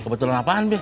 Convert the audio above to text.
kebetulan apaan be